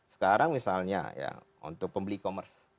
sekarang misalnya ya untuk pembeli e commerce